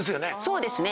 そうですね。